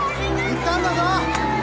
いったんだぞ！